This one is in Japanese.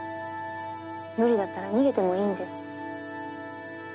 無理だったら逃げてもいいんです。